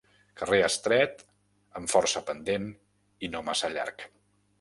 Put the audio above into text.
Carrer estret, amb força pendent i no massa llarg.